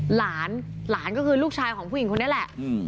หลานหลานก็คือลูกชายของผู้หญิงคนนี้แหละ